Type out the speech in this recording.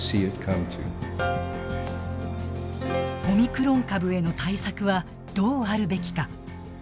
オミクロン株への対策はどうあるべきか。